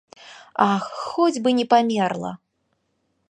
Ах, хоць бы не памерла!